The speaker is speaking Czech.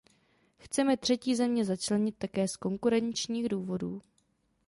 Chceme třetí země začlenit také z konkurenčních důvodů.